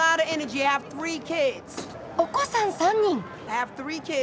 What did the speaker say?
お子さん３人！